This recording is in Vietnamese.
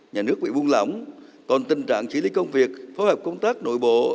nhà nước bị buôn lỏng còn tình trạng xử lý công việc phó hợp công tác nội bộ